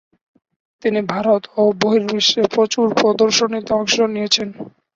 তিনি ভারত ও বহির্বিশ্বে প্রচুর প্রদর্শনীতে অংশ নিয়েছেন।